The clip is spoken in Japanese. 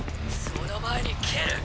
その前に蹴る！